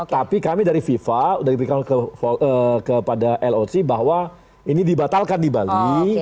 tapi kami dari fifa sudah diberikan kepada loc bahwa ini dibatalkan di bali